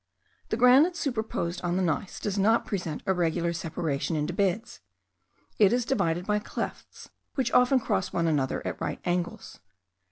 The granite superposed on the gneiss does not present a regular separation into beds: it is divided by clefts, which often cross one another at right angles.